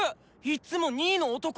いっつも２位の男！